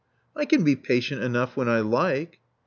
*' "I can be patient enough when I like."